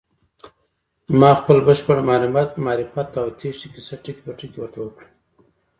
ما خپل بشپړ معرفت او تېښتې کيسه ټکی په ټکی ورته وکړه.